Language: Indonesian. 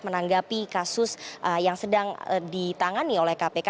menanggapi kasus yang sedang ditangani oleh kpk